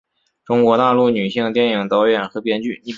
中国大陆女性电影导演和编剧。